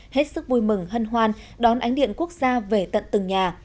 hết sức vui mừng hân hoan đón ánh điện quốc gia về tận từng nhà